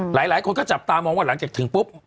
หลายคนก็จับตามองว่าหลังจากถึงปุ๊บ